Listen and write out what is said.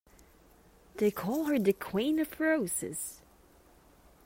They call her "The Queen Of Roses".